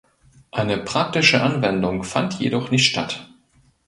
Eine praktische Anwendung fand jedoch nicht statt.